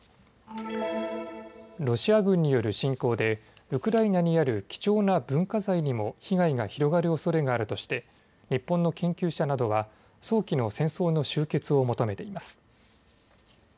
ロシア軍による侵攻でウクライナにある貴重な文化財にも被害が広がるおそれがあるとして日本の研究者などは早期の戦争の終結を求めています。